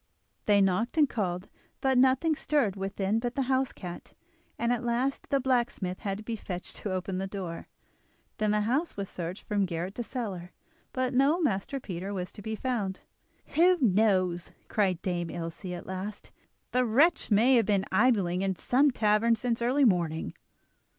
They knocked and called, but nothing stirred within but the house cat, and at last the blacksmith had to be fetched to open the door. Then the house was searched from garret to cellar, but no Master Peter was to be found. "Who knows?" cried Dame Ilse at last, "the wretch may have been idling in some tavern since early morning."